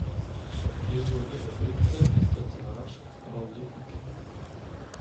Hier wurde er Dritter hinter Tarrasch und Paul Lipke.